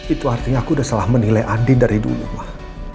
itu artinya aku udah salah menilai andin dari dulu mah